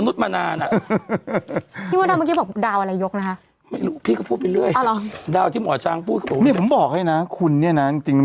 อ่อนี่คงกับไอหนังสลุกมันไม่ใช่หรือครับ